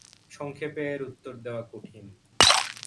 সংক্ষেপে এর উত্তর দেওয়া কঠিন।